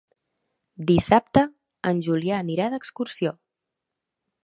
Dissabte en Julià anirà d'excursió.